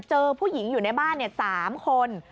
เจอผู้หญิงอยู่ในบ้าน๓คน